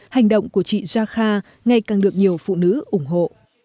hành động của chị jakar ngày càng được nhiều phụ nữ ủng hộ